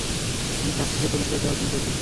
আমি তাফসীরে তা বিস্তারিত আলোচনা করেছি।